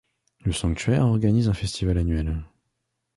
Le sanctuaire organise un festival annuel.